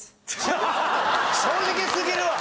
正直すぎるわ！